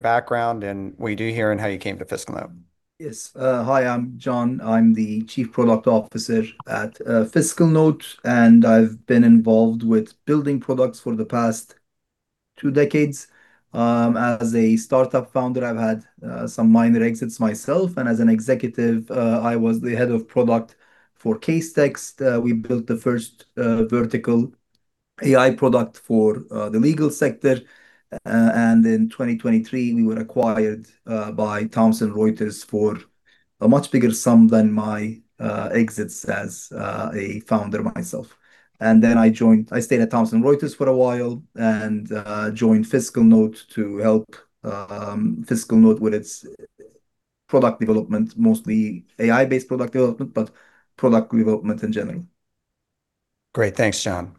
Background and what you do here, and how you came to FiscalNote? Yes. Hi, I'm Can. I'm the Chief Product Officer at FiscalNote, and I've been involved with building products for the past two decades. As a startup founder, I've had some minor exits myself, and as an executive, I was the Head of Product for Casetext. We built the first vertical AI product for the legal sector and in 2023, we were acquired by Thomson Reuters for a much bigger sum than my exits as a founder myself. Then I stayed at Thomson Reuters for a while and joined FiscalNote to help FiscalNote with its product development, mostly AI-based product development, but product development in general. Great. Thanks, Can.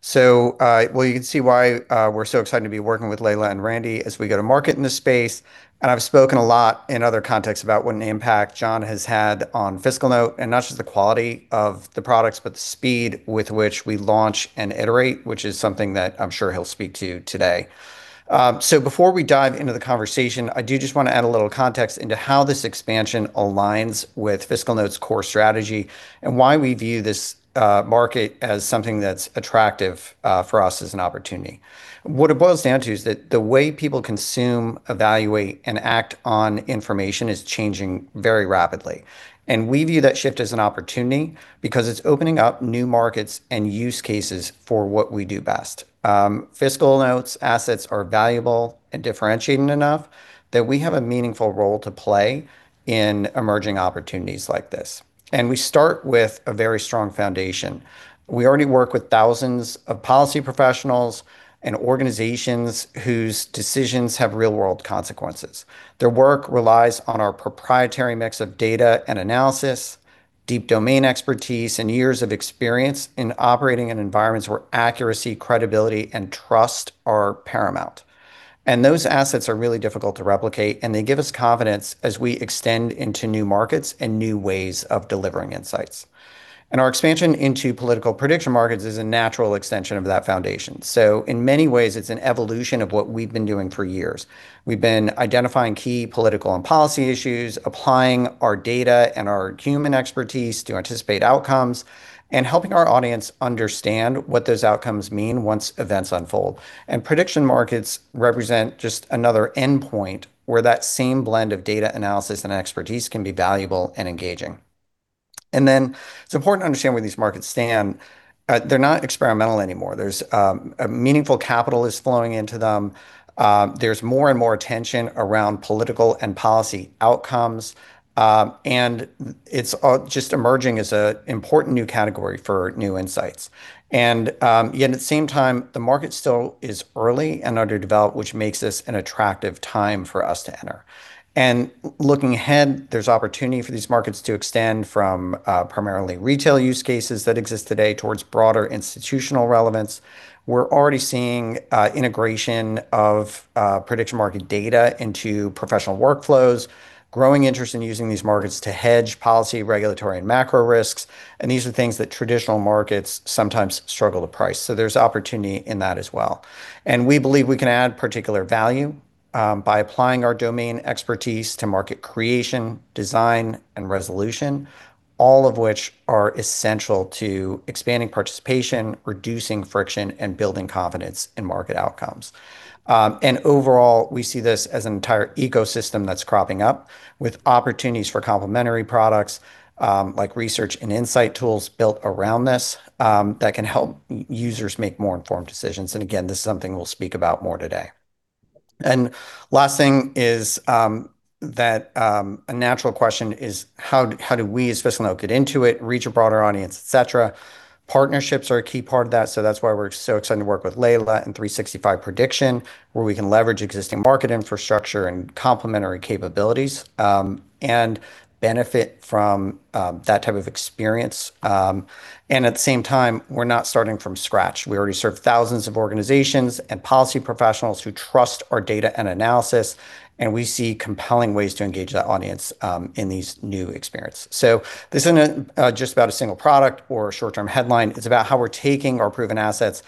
So, well, you can see why we're so excited to be working with Laila and Randy as we go to market in this space, and I've spoken a lot in other contexts about what an impact Can has had on FiscalNote, and not just the quality of the products, but the speed with which we launch and iterate, which is something that I'm sure he'll speak to today. So before we dive into the conversation, I do just want to add a little context into how this expansion aligns with FiscalNote's core strategy, and why we view this market as something that's attractive for us as an opportunity. What it boils down to is that the way people consume, evaluate, and act on information is changing very rapidly, and we view that shift as an opportunity because it's opening up new markets and use cases for what we do best. FiscalNote's assets are valuable and differentiated enough that we have a meaningful role to play in emerging opportunities like this and we start with a very strong foundation. We already work with thousands of policy professionals and organizations whose decisions have real-world consequences. Their work relies on our proprietary mix of data and analysis, deep domain expertise, and years of experience in operating in environments where accuracy, credibility, and trust are paramount and those assets are really difficult to replicate, and they give us confidence as we extend into new markets and new ways of delivering insights. Our expansion into political prediction markets is a natural extension of that foundation. In many ways, it's an evolution of what we've been doing for years. We've been identifying key political and policy issues, applying our data and our human expertise to anticipate outcomes, and helping our audience understand what those outcomes mean once events unfold. Prediction markets represent just another endpoint where that same blend of data analysis and expertise can be valuable and engaging. It's important to understand where these markets stand. They're not experimental anymore. There's a meaningful capital is flowing into them. There's more and more attention around political and policy outcomes, and it's just emerging as an important new category for new insights. Yet at the same time, the market still is early and underdeveloped, which makes this an attractive time for us to enter. Looking ahead, there's opportunity for these markets to extend from, primarily retail use cases that exist today towards broader institutional relevance. We're already seeing, integration of, prediction market data into professional workflows, growing interest in using these markets to hedge policy, regulatory, and macro risks, and these are things that traditional markets sometimes struggle to price. So there's opportunity in that as well. We believe we can add particular value, by applying our domain expertise to market creation, design, and resolution, all of which are essential to expanding participation, reducing friction, and building confidence in market outcomes. Overall, we see this as an entire ecosystem that's cropping up with opportunities for complementary products, like research and insight tools built around this, that can help users make more informed decisions. Again, this is something we'll speak about more today. Last thing is, a natural question is, how do we, as FiscalNote, get into it, reach a broader audience, etc? Partnerships are a key part of that, so that's why we're so excited to work with Laila and 365Prediction, where we can leverage existing market infrastructure and complementary capabilities, and benefit from, that type of experience and at the same time, we're not starting from scratch. We already serve thousands of organizations and policy professionals who trust our data and analysis, and we see compelling ways to engage that audience in these new experiences. So this isn't just about a single product or a short-term headline. It's about how we're taking our proven assets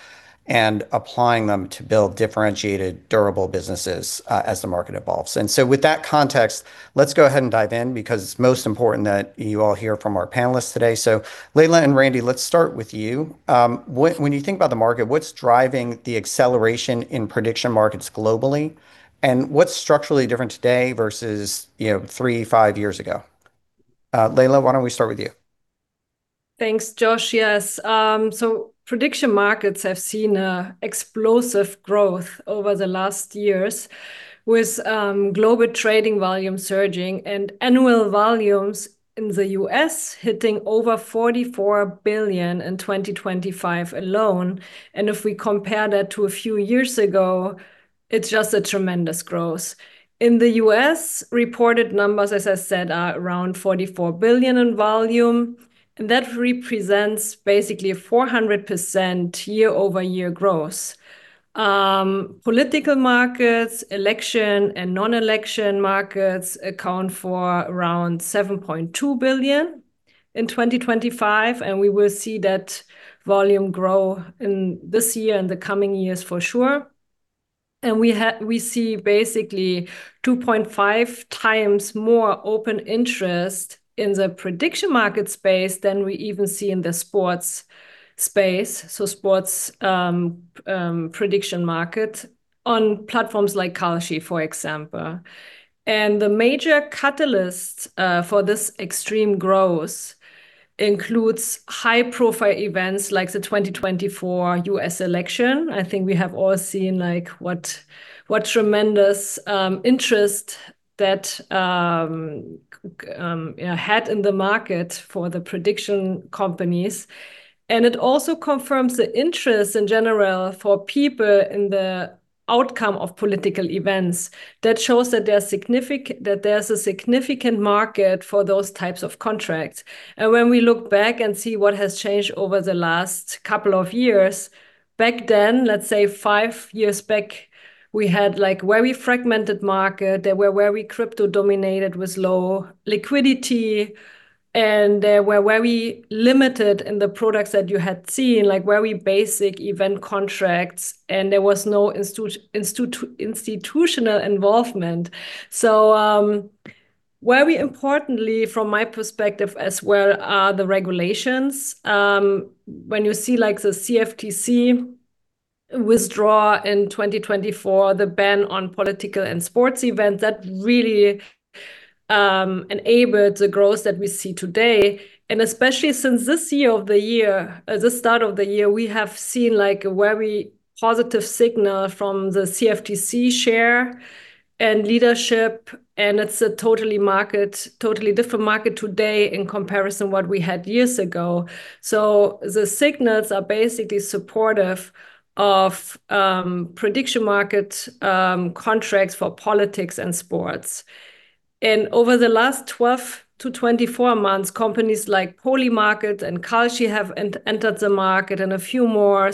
and applying them to build differentiated, durable businesses as the market evolves. So with that context, let's go ahead and dive in because it's most important that you all hear from our panelists today. So, Laila and Randy, let's start with you. When you think about the market, what's driving the acceleration in prediction markets globally, and what's structurally different today versus, you know, three, five years ago? Laila, why don't we start with you? Thanks, Josh. Yes, prediction markets have seen explosive growth over the last years, with global trading volume surging and annual volumes in the U.S. hitting over $44 billion in 2025 alone. If we compare that to a few years ago, it's just a tremendous growth. In the U.S., reported numbers, as I said, are around $44 billion in volume, and that represents basically a 400% year-over-year growth. Political markets, election, and non-election markets account for around $7.2 billion in 2025, and we will see that volume grow in this year and the coming years for sure. We see basically 2.5 times more open interest in the prediction market space than we even see in the sports space. Sports prediction market on platforms like Kalshi, for example. The major catalysts for this extreme growth include high-profile events like the 2024 U.S. election. I think we have all seen, like, what tremendous interest that you know had in the market for the prediction companies. It also confirms the interest in general for people in the outcome of political events. That shows that there's a significant market for those types of contracts and when we look back and see what has changed over the last couple of years, back then, let's say five years back, we had, like, very fragmented market. They were very crypto-dominated with low liquidity, and they were very limited in the products that you had seen, like very basic event contracts, and there was no institutional involvement. So, very importantly, from my perspective as well, are the regulations. When you see, like, the CFTC withdraw in 2024 the ban on political and sports events, that really enabled the growth that we see today, especially since this year of the year, the start of the year, we have seen, like, a very positive signal from the CFTC Chair and leadership, and it's a totally different market today in comparison what we had years ago. So the signals are basically supportive of prediction market contracts for politics and sports. Over the last 12-24 months, companies like Polymarket and Kalshi have entered the market, and a few more.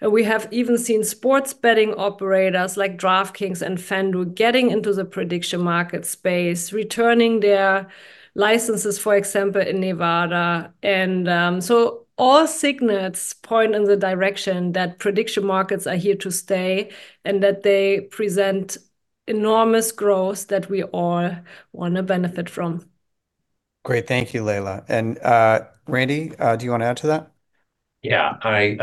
We have even seen sports betting operators like DraftKings and FanDuel getting into the prediction market space, returning their licenses, for example, in Nevada. All signals point in the direction that prediction markets are here to stay, and that they present enormous growth that we all wanna benefit from. Great. Thank you, Laila and, Randy, do you want to add to that? Yeah, I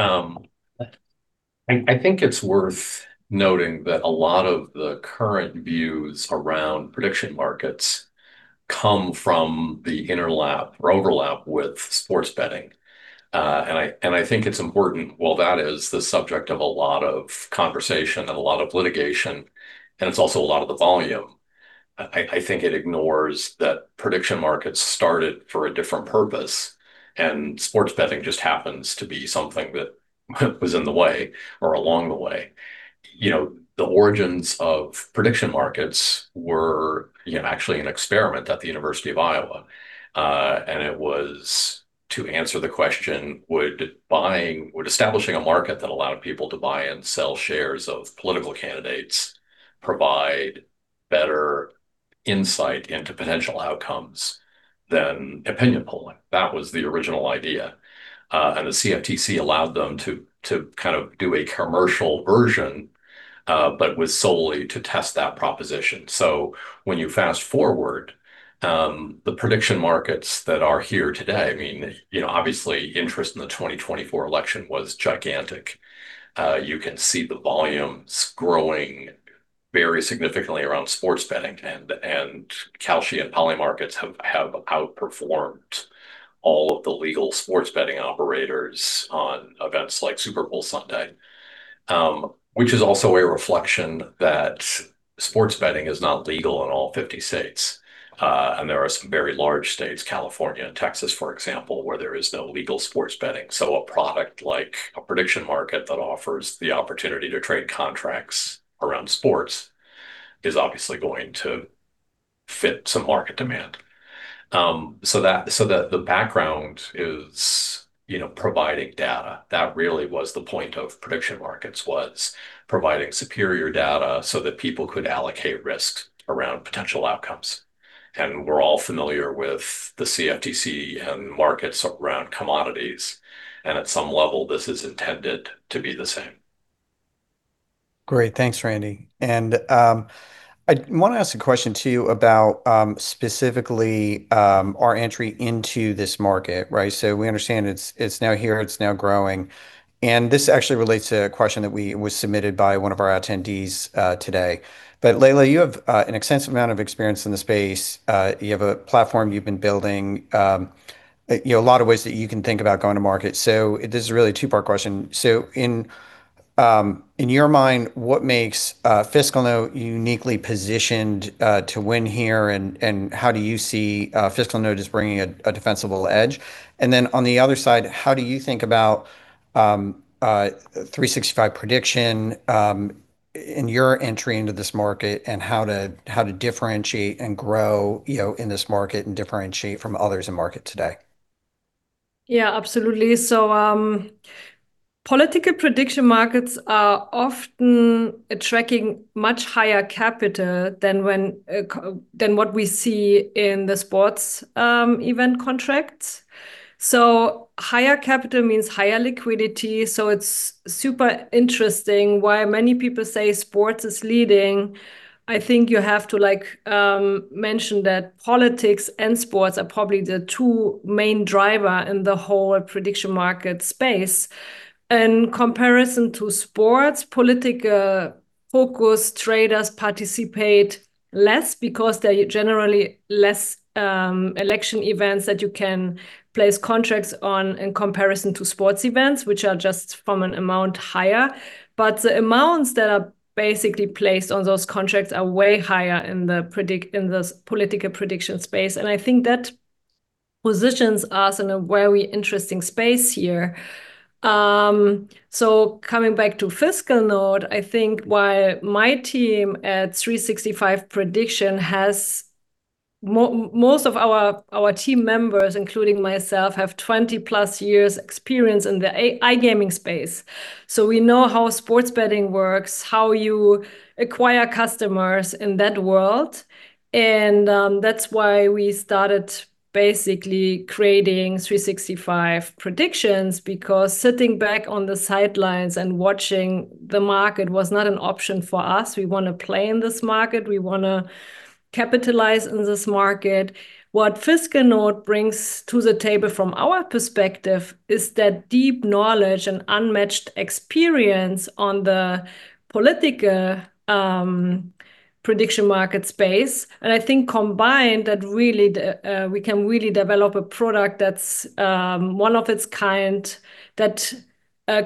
think it's worth noting that a lot of the current views around prediction markets come from the interlap or overlap with sports betting and I think it's important, while that is the subject of a lot of conversation and a lot of litigation, and it's also a lot of the volume, I think it ignores that prediction markets started for a different purpose, and sports betting just happens to be something that was in the way or along the way. You know, the origins of prediction markets were, you know, actually an experiment at the University of Iowa and it was to answer the question: Would buying... Would establishing a market that allowed people to buy and sell shares of political candidates provide better insight into potential outcomes than opinion polling? That was the original idea. The CFTC allowed them to, to kind of do a commercial version, but was solely to test that proposition. So when you fast-forward, the prediction markets that are here today, I mean, you know, obviously, interest in the 2024 election was gigantic. You can see the volumes growing very significantly around sports betting, and Kalshi and Polymarkets have outperformed all of the legal sports betting operators on events like Super Bowl Sunday. Which is also a reflection that sports betting is not legal in all 50 states, and there are some very large states, California and Texas, for example, where there is no legal sports betting. So a product like a prediction market that offers the opportunity to trade contracts around sports is obviously going to fit some market demand. So that the background is, you know, providing data. That really was the point of prediction markets, was providing superior data so that people could allocate risk around potential outcomes and we're all familiar with the CFTC and markets around commodities, and at some level, this is intended to be the same. Great. Thanks, Randy and, I want to ask a question to you about, specifically, our entry into this market, right? So we understand it's, it's now here, it's now growing, and this actually relates to a question that was submitted by one of our attendees, today. But Laila, you have, an extensive amount of experience in this space. You have a platform you've been building, you know, a lot of ways that you can think about going to market. So this is really a two-part question. So in, in your mind, what makes, FiscalNote uniquely positioned, to win here, and, and how do you see, FiscalNote as bringing a, a defensible edge? Then on the other side, how do you think about 365Prediction in your entry into this market, and how to, how to differentiate and grow, you know, in this market and differentiate from others in market today? .Yeah, absolutely. So, political prediction markets are often attracting much higher capital than when, than what we see in the sports, event contracts. So higher capital means higher liquidity, so it's super interesting why many people say sports is leading. I think you have to, like, mention that politics and sports are probably the two main driver in the whole prediction market space. In comparison to sports, political focus traders participate less because there are generally less, election events that you can place contracts on in comparison to sports events, which are just from an amount higher. But the amounts that are basically placed on those contracts are way higher in the political prediction space, and I think that positions us in a very interesting space here. So coming back to FiscalNote, I think why my team at 365Prediction has most of our team members, including myself, have 20+ years experience in the iGaming space. So we know how sports betting works, how you acquire customers in that world, and that's why we started basically creating 365Prediction, because sitting back on the sidelines and watching the market was not an option for us. We want to play in this market. We want to capitalize in this market. What FiscalNote brings to the table from our perspective is that deep knowledge and unmatched experience on the political prediction market space and I think combined, that really, the, we can really develop a product that's one of its kind, that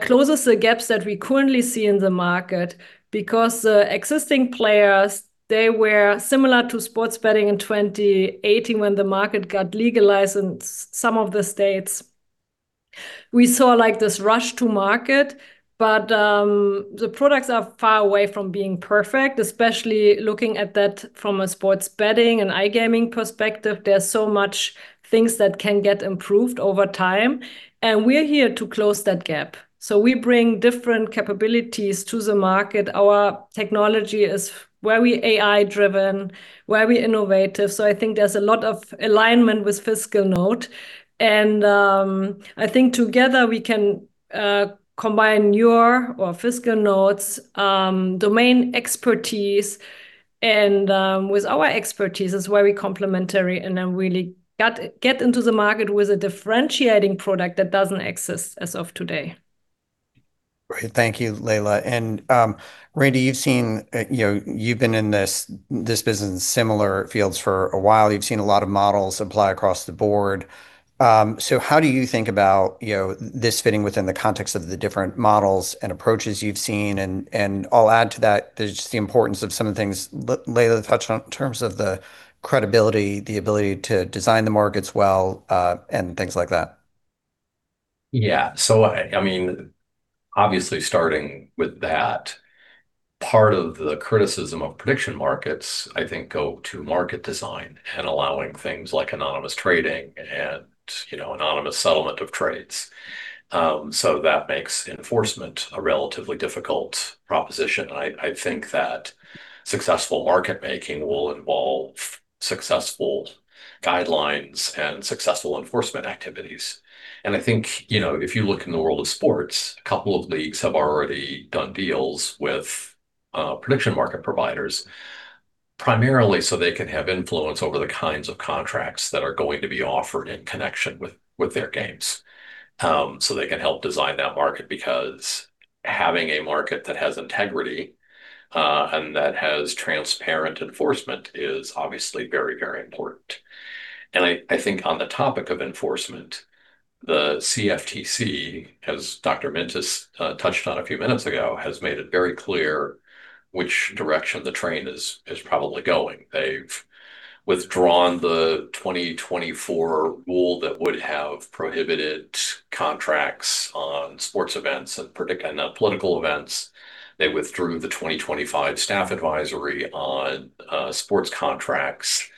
closes the gaps that we currently see in the market. Because, existing players, they were similar to sports betting in 2018 when the market got legalized in some of the states. We saw, like, this rush to market, but, the products are far away from being perfect, especially looking at that from a sports betting and iGaming perspective, there's so much things that can get improved over time, and we're here to close that gap. So we bring different capabilities to the market. Our technology is very AI-driven, very innovative, so I think there's a lot of alignment with FiscalNote and, I think together we can, combine your or FiscalNote's, domain expertise and, with our expertise, is very complementary, and then really get into the market with a differentiating product that doesn't exist as of today. Great. Thank you, Laila and, Randy, you've seen, you know, you've been in this business and similar fields for a while. You've seen a lot of models apply across the board. So how do you think about, you know, this fitting within the context of the different models and approaches you've seen? And, I'll add to that, just the importance of some of the things Laila touched on in terms of the credibility, the ability to design the markets well, and things like that. Yeah. So, I mean, obviously, starting with that, part of the criticism of prediction markets, I think, go to market design and allowing things like anonymous trading and, you know, anonymous settlement of trades. So that makes enforcement a relatively difficult proposition. I think that successful market making will involve successful guidelines and successful enforcement activities and I think, you know, if you look in the world of sports, a couple of leagues have already done deals with prediction market providers, primarily so they can have influence over the kinds of contracts that are going to be offered in connection with their games. So they can help design that market, because having a market that has integrity and that has transparent enforcement is obviously very, very important and I think on the topic of enforcement, the CFTC, as Dr. Mintas, touched on a few minutes ago, has made it very clear which direction the train is probably going. They've withdrawn the 2024 rule that would have prohibited contracts on sports events and prediction and political events. They withdrew the 2025 staff advisory on sports contracts.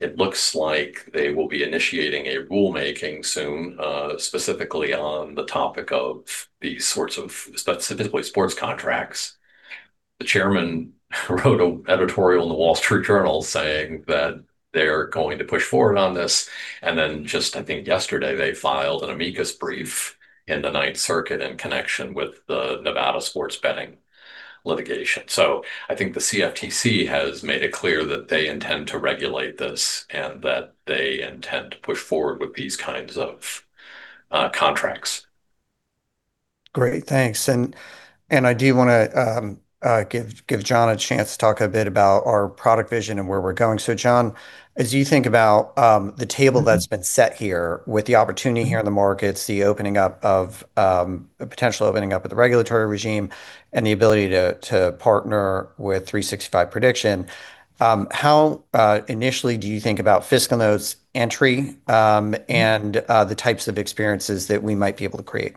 It looks like they will be initiating a rulemaking soon, specifically on the topic of these sorts of, specifically sports contracts. The chairman wrote an editorial in The Wall Street Journal saying that they're going to push forward on this, and then just, I think yesterday, they filed an amicus brief in the Ninth Circuit in connection with the Nevada sports betting litigation. So I think the CFTC has made it clear that they intend to regulate this, and that they intend to push forward with these kinds of contracts. Great, thanks. I do wanna give Can a chance to talk a bit about our product vision and where we're going. So, Can, as you think about the table that's been set here with the opportunity here in the markets, the opening up of the potential opening up of the regulatory regime, and the ability to partner with 365Prediction, how initially do you think about FiscalNote's entry, and the types of experiences that we might be able to create?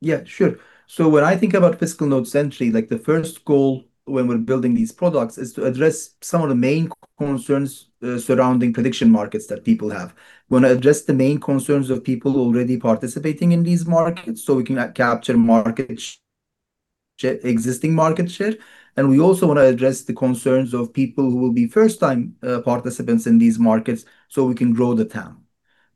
Yeah, sure. So when I think about FiscalNote essentially, like, the first goal when we're building these products is to address some of the main concerns surrounding prediction markets that people have. We want to address the main concerns of people already participating in these markets, so we can capture existing market share and we also want to address the concerns of people who will be first time participants in these markets, so we can grow the town.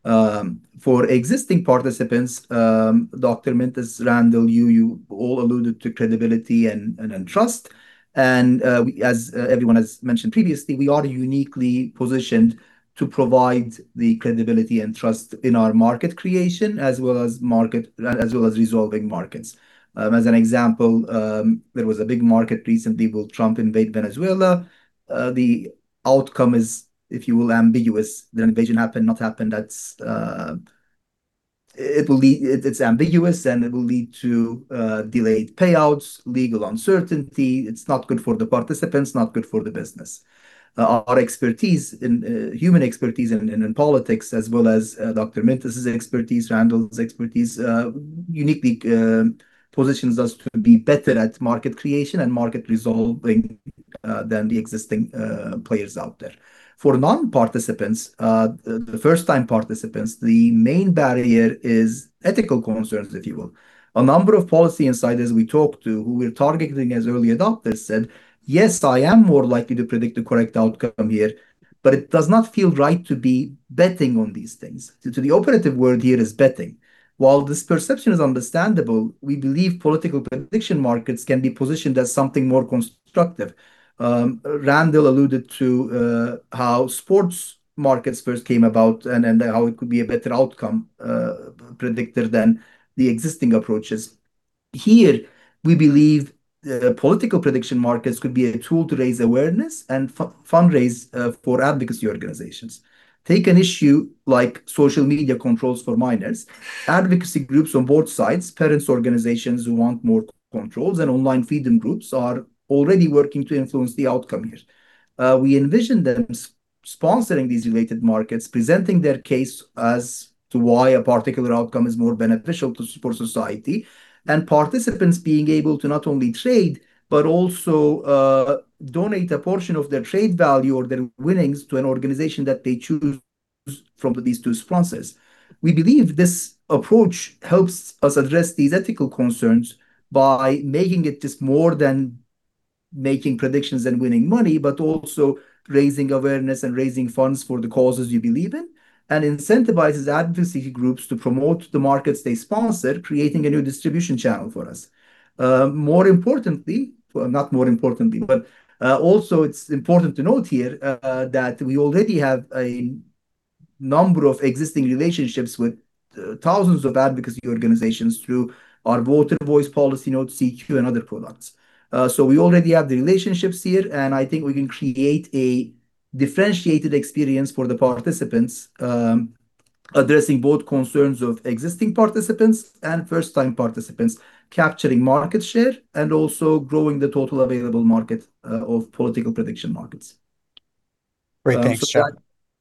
For existing participants, Dr. Mintas, Randall, you all alluded to credibility and trust and we, as everyone has mentioned previously, we are uniquely positioned to provide the credibility and trust in our market creation, as well as resolving markets. As an example, there was a big market recently: Will Trump invade Venezuela? The outcome is, if you will, ambiguous. The invasion happened, not happened, that's... It's ambiguous, and it will lead to delayed payouts, legal uncertainty. It's not good for the participants, not good for the business. Our expertise in human expertise in politics, as well as Dr. Mintas's expertise, Randall's expertise, uniquely positions us to be better at market creation and market resolving than the existing players out there. For non-participants, the first time participants, the main barrier is ethical concerns, if you will. A number of policy insiders we talked to, who we're targeting as early adopters, said: "Yes, I am more likely to predict the correct outcome here, but it does not feel right to be betting on these things." So the operative word here is betting. While this perception is understandable, we believe political prediction markets can be positioned as something more constructive. Randall alluded to how sports markets first came about and how it could be a better outcome predictor than the existing approaches. Here, we believe political prediction markets could be a tool to raise awareness and fundraise for advocacy organizations. Take an issue like social media controls for minors. Advocacy groups on both sides, parents, organizations who want more controls, and online freedom groups, are already working to influence the outcome here. We envision them sponsoring these related markets, presenting their case as to why a particular outcome is more beneficial for society, and participants being able to not only trade, but also donate a portion of their trade value or their winnings to an organization that they choose from these two sponsors. We believe this approach helps us address these ethical concerns by making it just more than making predictions and winning money, but also raising awareness and raising funds for the causes you believe in, and incentivizes advocacy groups to promote the markets they sponsor, creating a new distribution channel for us. Well, not more importantly, but also it's important to note here that we already have a number of existing relationships with thousands of advocacy organizations through our VoterVoice, PolicyNote, CQ, and other products. So we already have the relationships here, and I think we can create a differentiated experience for the participants, addressing both concerns of existing participants and first-time participants, capturing market share, and also growing the total available market of political prediction markets. Great. Thanks, Can.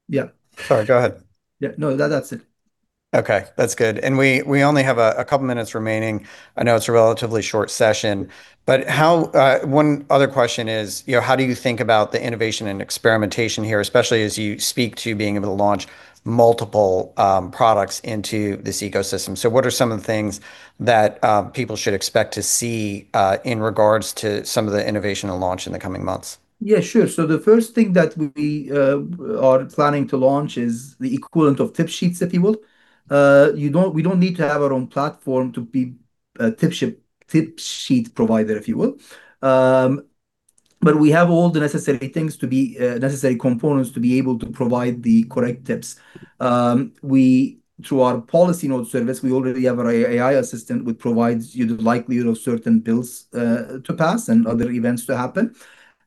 Yeah. Sorry, go ahead. Yeah, no, that, that's it. Okay, that's good and we only have a couple minutes remaining. I know it's a relatively short session, but how... One other question is, you know, how do you think about the innovation and experimentation here, especially as you speak to being able to launch multiple products into this ecosystem? So what are some of the things that people should expect to see in regards to some of the innovation and launch in the coming months? Yeah, sure. So the first thing that we are planning to launch is the equivalent of tip sheets, if you will. We don't need to have our own platform to be a tip sheet, tip sheet provider, if you will. But we have all the necessary things to be necessary components to be able to provide the correct tips. We, through our PolicyNote service, we already have our AI assistant, which provides you the likelihood of certain bills to pass and other events to happen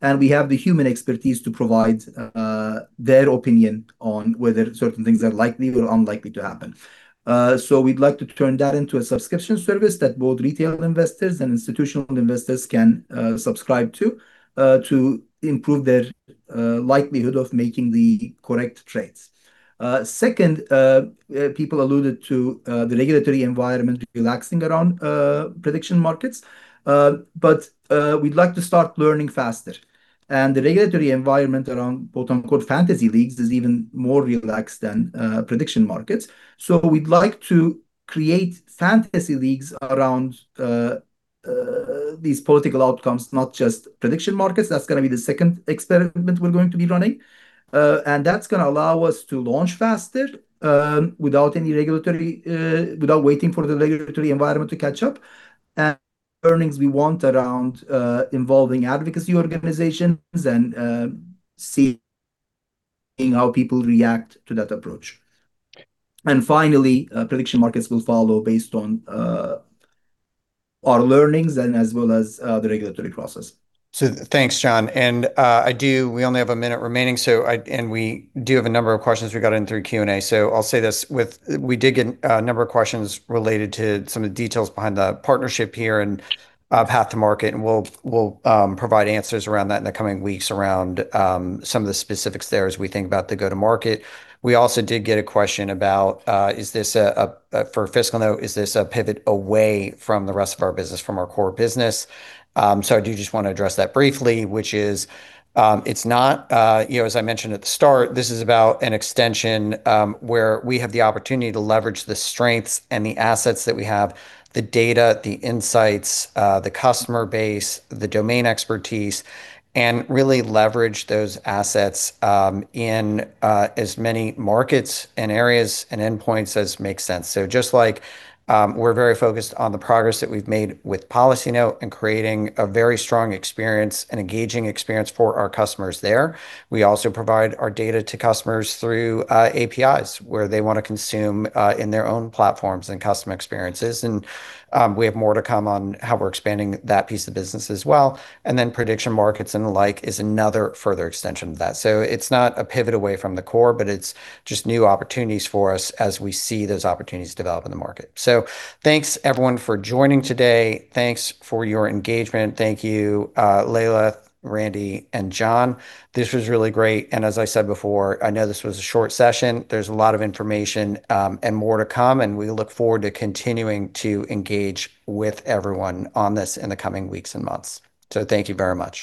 and we have the human expertise to provide their opinion on whether certain things are likely or unlikely to happen. So we'd like to turn that into a subscription service that both retail investors and institutional investors can subscribe to to improve their likelihood of making the correct trades. Second, people alluded to the regulatory environment relaxing around prediction markets. But we'd like to start learning faster and the regulatory environment around, quote, unquote, "Fantasy Leagues" is even more relaxed than prediction markets. So we'd like to create fantasy leagues around these political outcomes, not just prediction markets. That's gonna be the second experiment we're going to be running and that's gonna allow us to launch faster, without any regulatory, without waiting for the regulatory environment to catch up and earnings we want around, involving advocacy organizations and seeing how people react to that approach and finally, prediction markets will follow based on our learnings and as well as the regulatory process. So thanks, Can and we only have a minute remaining, so and we do have a number of questions we got in through Q&A. So I'll say this, we did get a number of questions related to some of the details behind the partnership here and path to market, and we'll provide answers around that in the coming weeks around some of the specifics there as we think about the go-to market. We also did get a question about, is this a for FiscalNote, is this a pivot away from the rest of our business, from our core business? So I do just want to address that briefly, which is, it's not. You know, as I mentioned at the start, this is about an extension, where we have the opportunity to leverage the strengths and the assets that we have, the data, the insights, the customer base, the domain expertise, and really leverage those assets, in as many markets and areas and endpoints as makes sense. So just like, we're very focused on the progress that we've made with PolicyNote and creating a very strong experience and engaging experience for our customers there, we also provide our data to customers through APIs, where they want to consume in their own platforms and customer experiences and we have more to come on how we're expanding that piece of business as well. Then prediction markets and the like is another further extension of that. So it's not a pivot away from the core, but it's just new opportunities for us as we see those opportunities develop in the market. So thanks, everyone, for joining today. Thanks for your engagement. Thank you, Laila, Randy, and Can. This was really great, and as I said before, I know this was a short session. There's a lot of information, and more to come, and we look forward to continuing to engage with everyone on this in the coming weeks and months. So thank you very much.